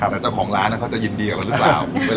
แต่เจ้าของร้านเขาจะยินดีกันหรือเปล่า